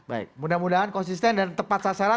baik mudah mudahan konsisten dan tepat sasaran